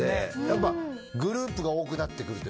やっぱグループが多くなってくる。